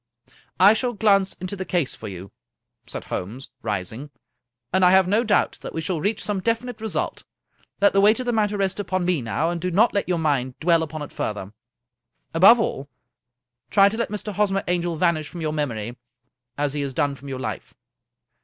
" I shall glance into the case for you," said Holmes, ris ing, " and I have no doubt that we shall reach some definite result. Let the weight of the matter rest upon me now, and do not let your mind dwell upon it further. Above all, try to let Mr. Hosmer Angel vanish from your mem ory, as he has done from your life."